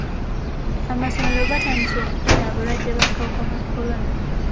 Amasomero gatandise okufuna abalwadde b'akawuka ka kolona.